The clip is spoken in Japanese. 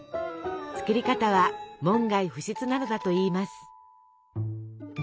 作り方は門外不出なのだといいます。